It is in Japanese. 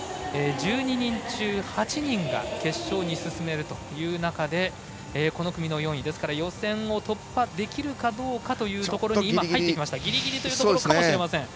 １２人中８人が決勝に進めるという中でこの組の４位ですから予選を突破できるかどうかというギリギリというところかもしれません。